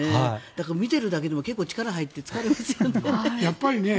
だから、見てるだけでも結構力が入って疲れますよね。